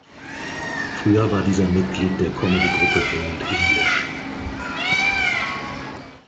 Früher war dieser Mitglied der Comedy-Gruppe Olde English.